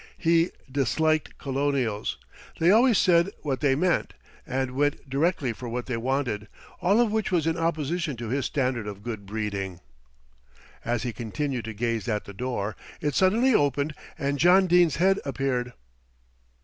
He disliked colonials. They always said what they meant, and went directly for what they wanted, all of which was in opposition to his standard of good breeding. As he continued to gaze at the door, it suddenly opened and John Dene's head appeared.